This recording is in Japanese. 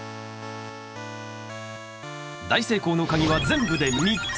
大成功の鍵は全部で３つ。